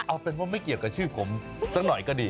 เอาเป็นว่าไม่เกี่ยวกับชื่อผมสักหน่อยก็ดี